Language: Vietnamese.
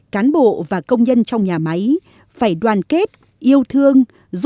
cán bộ và công nhân trong nhà máy phải đoàn kết yêu thương